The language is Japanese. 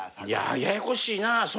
いやややこしいなぁ。